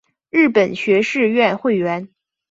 日本学士院会员。